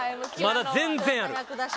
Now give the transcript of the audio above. まだ全然ある。